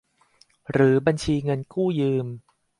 หรือบัญชีเงินกู้ยืม